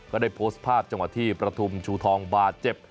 ก็ได้โพสต์ภาพจังหวะที่ประทุมชูทองบาดเจ็บ